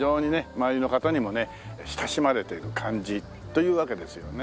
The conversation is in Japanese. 周りの方にもね親しまれている感じというわけですよね。